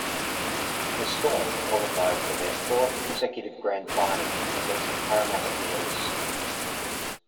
The Storm qualified for their fourth consecutive grand final, against the Parramatta Eels.